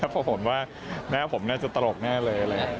เพราะผมว่าแม่ผมน่าจะตลกแน่เลย